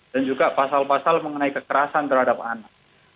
dan juga pasal pasal mengenai kekerasan terhadap anak